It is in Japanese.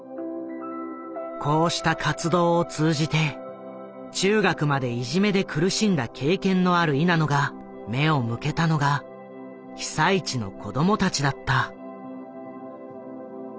こうした活動を通じて中学までいじめで苦しんだ経験のあるいなのが目を向けたのが被災地の子どもたちだった。